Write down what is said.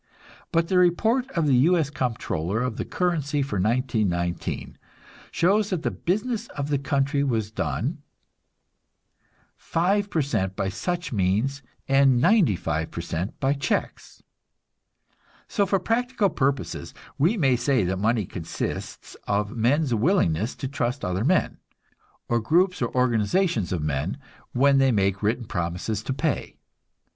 But the report of the U. S. Comptroller of the Currency for 1919 shows that the business of the country was done, 5% by such means and 95 % by checks; so, for practical purposes, we may say that money consists of men's willingness to trust other men, or groups or organizations of men, when they make written promise to pay.